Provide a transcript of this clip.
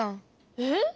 えっ？